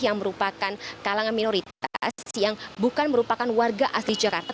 yang merupakan kalangan minoritas yang bukan merupakan warga asli jakarta